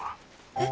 えっ？